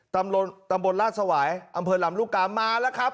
ตำบลตำบลราชสวายอำเภอลำลูกกามาแล้วครับ